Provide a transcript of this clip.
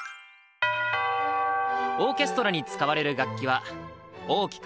オーケストラに使われる楽器は大きく４つに分けられる。